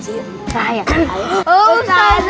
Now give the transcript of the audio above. masuk masuk masuk